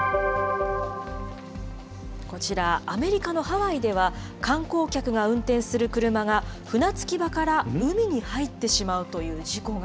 こちら、アメリカのハワイでは、観光客が運転する車が船着き場から海に入ってしまうという事故が。